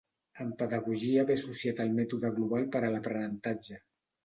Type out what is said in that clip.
En pedagogia ve associat al mètode global per a l'aprenentatge.